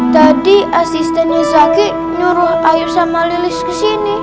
tadi asistennya zaky nyuruh ayu sama lilis kesini